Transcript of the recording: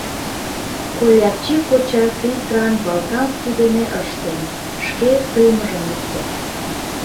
Кольапчи коча фильтран «Балканский» дене ыш тем, шке «Примыжым» лукто.